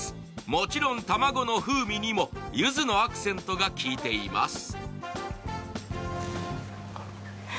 もちろん卵の風味にもゆずのアクセントがきいています。